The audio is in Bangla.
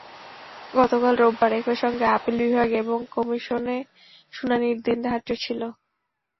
গতকাল রোববার একই সঙ্গে আপিল বিভাগে এবং কমিশনে শুনানির দিন ধার্য ছিল।